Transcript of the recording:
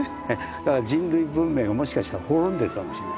だから人類文明がもしかしたら滅んでるかもしれない。